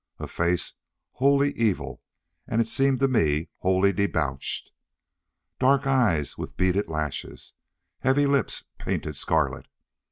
A face wholly evil, and it seemed to me wholly debauched. Dark eyes with beaded lashes. Heavy lips painted scarlet.